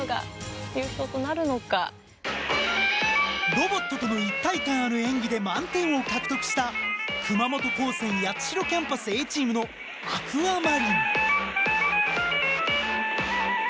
ロボットとの一体感ある演技で満点を獲得した熊本高専八代キャンパスＡチームの「ＡｑｕａＭａｒｉｎｅ」。